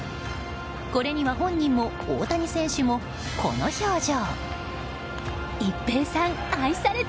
これには本人も大谷選手もこの表情。